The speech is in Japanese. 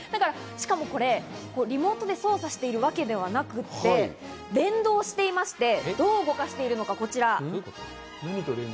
しかもこれ、リモートで操作しているわけではなくて連動していまして、どう動かしているのか、こちら。